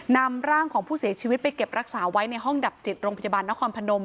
นำร่างของผู้เสียชีวิตไปเก็บรักษาไว้ในห้องดับจิตโรงพยาบาลนครพนม